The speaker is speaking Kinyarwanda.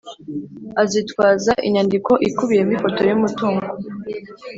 Azitwaza inyandiko ikubiyemo ifoto y’ umutungo